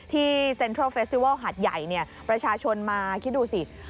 เซ็นทรัลเฟสติวัลหัดใหญ่ประชาชนมาคิดดูสิ